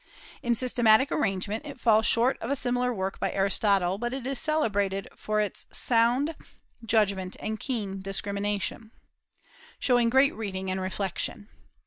In systematic arrangement it falls short of a similar work by Aristotle; but it is celebrated for its sound judgment and keen discrimination, showing great reading and reflection.